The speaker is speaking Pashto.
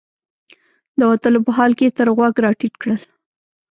د وتلو په حال کې یې تر غوږ راټیټ کړل.